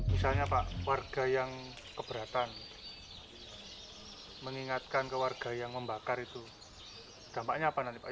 misalnya pak warga yang keberatan mengingatkan ke warga yang membakar itu dampaknya apa nanti pak